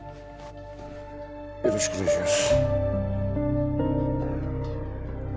よろしくお願いします